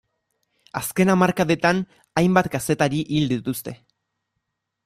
Azken hamarkadetan hainbat kazetari hil dituzte.